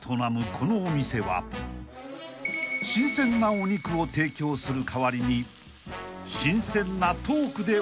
このお店は新鮮なお肉を提供する代わりに］